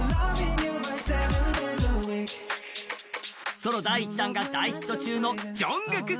ソロ第１弾が大ヒット中のＪＵＮＧＫＯＯＫ。